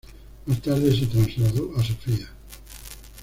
Más tarde se transladó a Sofía.